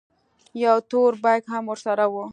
يو تور بېګ هم ورسره و.